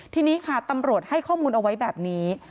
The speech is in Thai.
ทีนี้ค่ะตำรวจให้ข้อมูลเอาไว้แบบนี้